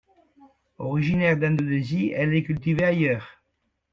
Originaire d’Indonésie, elle est cultivée ailleurs.